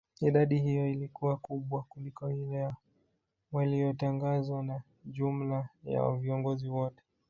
idadi hiyo ilikuwa kubwa kuliko hile ya waliyotangazwa na jumla ya viongozi wote